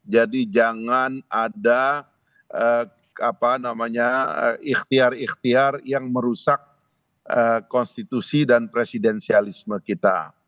jadi jangan ada ikhtiar ikhtiar yang merusak konstitusi dan presidensialisme kita